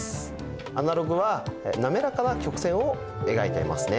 アナログは滑らかな曲線を描いていますね。